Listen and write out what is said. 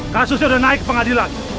kasusnya sudah naik ke pengadilan